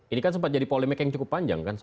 ini kan sempat jadi polemik yang cukup panjang kan